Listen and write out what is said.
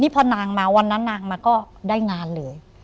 จากนั้นนางมาก็ได้งานเลย